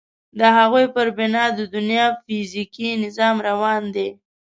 د هغوی پر بنا د دنیا فیزیکي نظام روان دی.